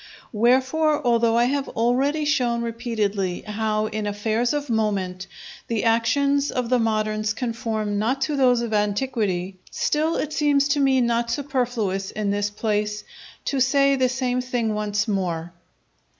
Wherefore, although I have already shown repeatedly how in affairs of moment the actions of the moderns conform not to those of antiquity, still it seems to me not superfluous, in this place, to say the same thing once more.